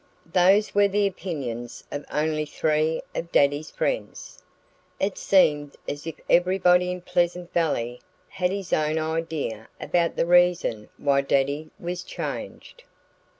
Those were the opinions of only three of Daddy's friends. It seemed as if everybody in Pleasant Valley had his own idea about the reason why Daddy was changed.